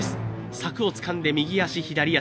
柵をつかんで右足、左足。